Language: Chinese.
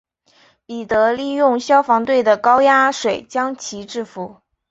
彼得利用消防队的高压水将其制伏。